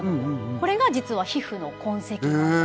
これが実は皮膚の痕跡なんだそうです。